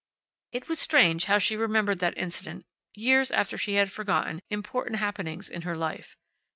It was strange how she remembered that incident years after she had forgotten important happenings in her life.